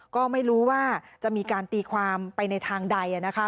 ก็ไม่รู้ว่าจะมีการตีความไปในทางใดนะคะ